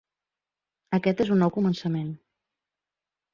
Aquest és un nou començament.